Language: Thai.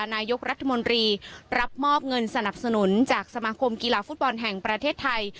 นายกรัฐมนตรีรับมอบเงินสนับสนุนจากสมาคมกีฬาฟุตบอลแห่งประเทศไทย